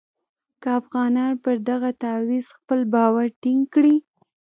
که افغانان پر دغه تعویض خپل باور ټینګ کړي.